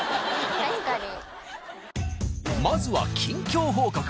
まずは近況報告。